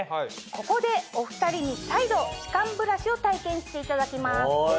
ここでお２人に再度歯間ブラシを体験していただきます。